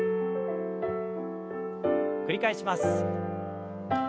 繰り返します。